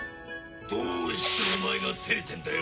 どうしてお前が照れてんだよ？